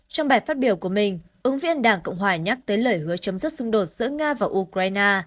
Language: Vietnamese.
trong bài phát biểu của mình ứng viên đảng cộng hòa nhắc tới lời hứa chấm dứt xung đột giữa nga và ukraine